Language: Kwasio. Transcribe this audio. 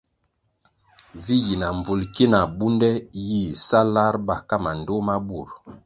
Vi yi na mbvulʼ ki na bunde yih sa lar ba ka mandtoh ma burʼ.